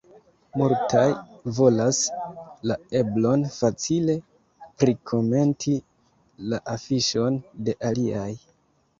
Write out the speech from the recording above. Multaj volas la eblon facile prikomenti la afiŝon de aliaj.